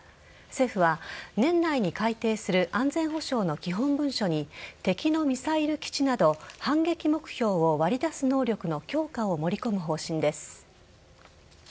政府は年内に改定する安全保障の基本文書に敵のミサイル基地など反撃目標を割り出す能力の強化を盛り込む方針です。